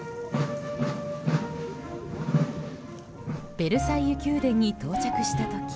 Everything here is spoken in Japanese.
ベルサイユ宮殿に到着した時